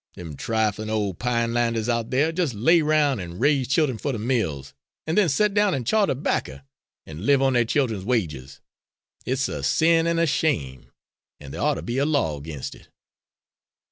Them triflin' old pinelanders out there jus' lay aroun' and raise children for the mills, and then set down and chaw tobacco an' live on their children's wages. It's a sin an' a shame, an' there ought to be a law ag'inst it."